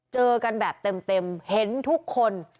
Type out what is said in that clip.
เจอกันแบบเต็มเห็นทุกคน